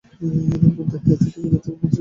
এদের মধ্যে মাত্র তিনটি প্রজাতি মানুষের ক্ষতি করে।